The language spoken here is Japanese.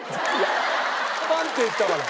「パン」って言ったから。